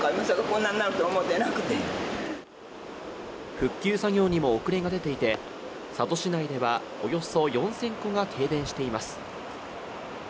復旧作業にも遅れが出ていて、佐渡市内ではおよそ４０００戸が停電しています。